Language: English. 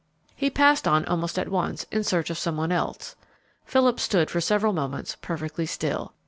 He passed on almost at once, in search of some one else. Philip stood for several moments perfectly still.